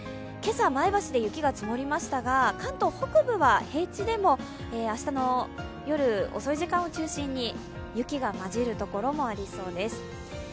今朝、前橋で雪が積もりましたが関東北部は平地でも明日の夜遅い時間を中心に、雪が交じるところもありそうです。